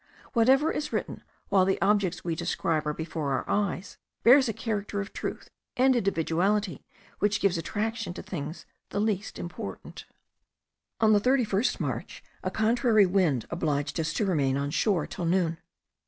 Whatever is written while the objects we describe are before our eyes bears a character of truth and individuality which gives attraction to things the least important. On the 31st March a contrary wind obliged us to remain on shore till noon.